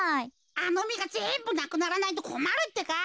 あのみがぜんぶなくならないとこまるってか。